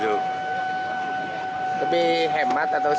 lebih hemat atau